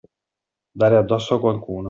Dare addosso a qualcuno.